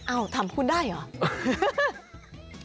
ถามคุณได้เหรอ